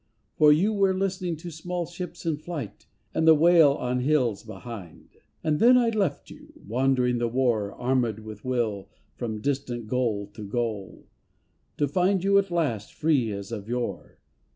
For you were listening to small ships in flight, And the wail on hills behind. And then I left you, wandering the war Armed with will, from distant goal to goal. To find you at the last free as of yore.